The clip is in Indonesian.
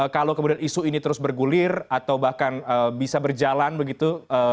kalau kemudian isu ini terus bergulir atau bahkan bisa berjalan begitu